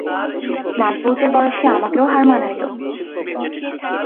নাতবউ যে বয়সে আমাকেও হার মানাইল।